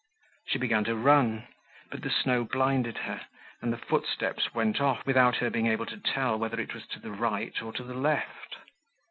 She began to run, but the snow blinded her, and the footsteps went off without her being able to tell whether it was to the right or to the left.